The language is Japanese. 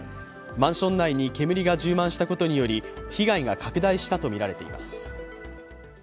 マンション内に煙が充満したことにより被害が拡大したとみられています。